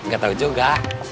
gak tau juga